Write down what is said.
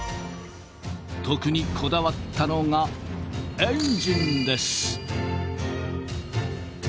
特にこだわったのがエンジンです。